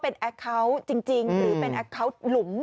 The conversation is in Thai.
เป็นแอคเคาน์จริงหรือเป็นแอคเคาน์หลุม